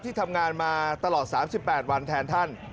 ที่ทำงานมาตลอด๓๘วันแทนท่าน